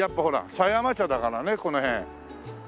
狭山茶だからねこの辺。